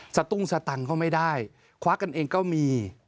ตุ้งสตังค์ก็ไม่ได้คว้ากันเองก็มี